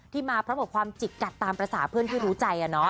มาพร้อมกับความจิกกัดตามภาษาเพื่อนที่รู้ใจ